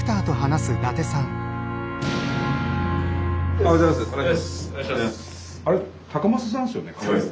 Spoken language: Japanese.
おはようございます。